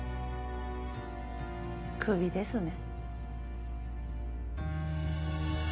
クビですね。